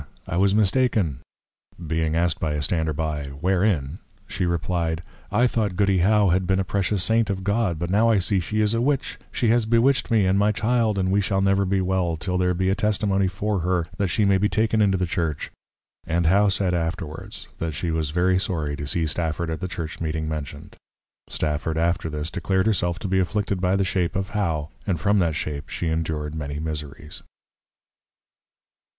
I was mistaken!_ Being asked by a stander by, Wherein? she replyed, _I thought Goody +How+ had been a precious Saint of God, but now I see she is a Witch: She has bewitched me, and my Child, and we shall never be well, till there be a Testimony for her, that she may be taken into the Church._ And How said afterwards, that she was very sorry to see Stafford at the Church meeting mentioned. Stafford, after this, declared herself to be afflicted by the Shape of How; and from that Shape she endured many Miseries.